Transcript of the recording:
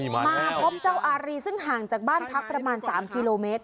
มาพบเจ้าอารีซึ่งห่างจากบ้านพักประมาณ๓กิโลเมตร